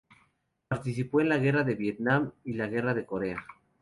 Participó en la Guerra de Vietnam y la Guerra de Corea.